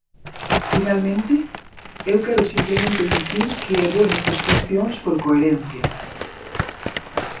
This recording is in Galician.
Finalmente, eu quero simplemente dicir que é bo nestas cuestións por coherencia.